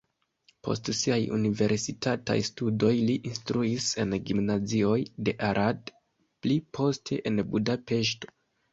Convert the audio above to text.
Post siaj universitataj studoj li instruis en gimnazioj de Arad, pli poste en Budapeŝto.